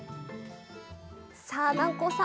さあ南光さん